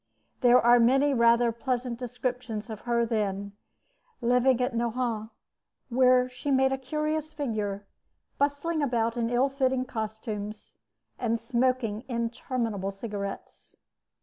There are many rather pleasant descriptions of her then, living at Nohant, where she made a curious figure, bustling about in ill fitting costumes, and smoking interminable cigarettes.